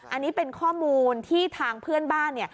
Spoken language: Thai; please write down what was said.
อันนี้เป็นข้อมูลที่ทางเพื่อนบ้านเนี่ย